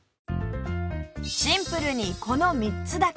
シンプルにこの３つだけ！